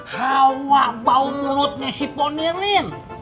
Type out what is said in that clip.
hawa bau mulutnya si ponirin